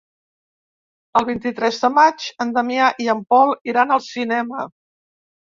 El vint-i-tres de maig en Damià i en Pol iran al cinema.